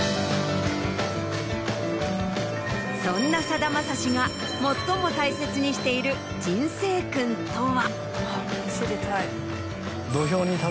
そんなさだまさしが最も大切にしている人生訓とは？